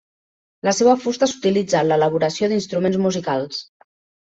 La seva fusta s'utilitza en l'elaboració d'instruments musicals.